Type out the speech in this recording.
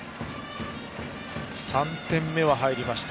３点目が入りました。